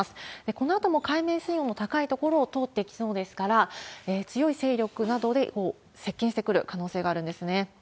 このあとも海面水温の高い所を通っていきそうですから、強い勢力などで接近してくる可能性があるんですね。